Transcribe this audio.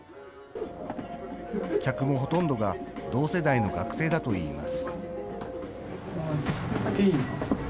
客もほとんどが同世代の学生だといいます。